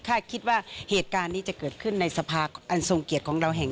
มันก็มีเหตุการณ์แค่คล้ายจนเกิดขึ้น